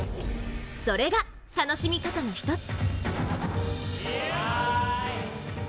それが、楽しみ方の一つ。